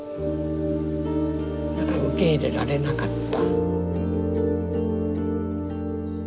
だから受け入れられなかった。